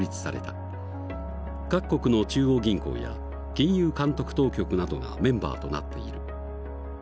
各国の中央銀行や金融監督当局などがメンバーとなっている。